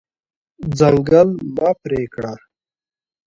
ځنګل مه پرې کړه.